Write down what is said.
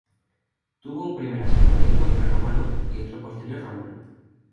Tuvo un primer asentamiento prerromano y otro posterior romano.